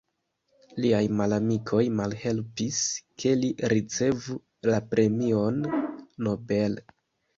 Liaj malamikoj malhelpis ke li ricevu la premion Nobel.